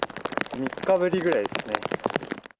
３日ぶりぐらいですね。